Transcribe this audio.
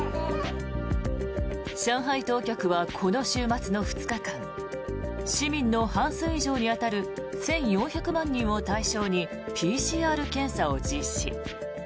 上海当局はこの週末の２日間市民の半数以上に当たる１４００万人を対象にＰＣＲ検査を実施。